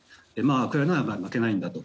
ウクライナは負けないんだと。